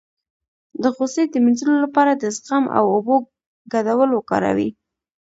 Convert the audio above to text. د غوسې د مینځلو لپاره د زغم او اوبو ګډول وکاروئ